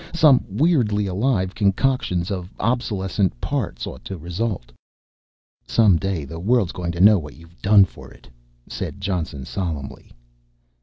Some weirdly alive concoctions of 'obsolescent' parts ought to result." "Some day the world's going to know what you've done for it," said Johnson solemnly.